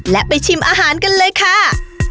และไปชิมอาหารกันเลยค่ะ